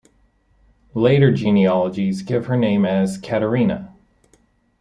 Later genealogies give her name as Katarina.